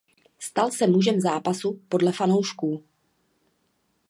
Stal se mužem zápasu podle fanoušků.